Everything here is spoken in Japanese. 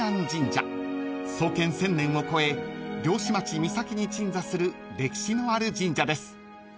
［創建１，０００年を超え漁師町三崎に鎮座する歴史のある神社です］